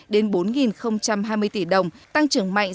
hai hai trăm chín mươi đến bốn hai mươi tỷ đồng tăng trưởng mạnh